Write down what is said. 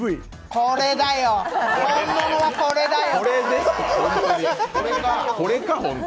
これだよ、本物は、これだよ。